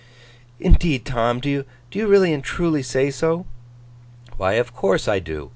'Indeed, Tom? Do you really and truly say so?' 'Why, of course I do.